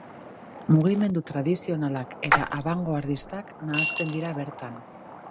Mugimendu tradizionalak eta abangoardistak nahasten dira bertan.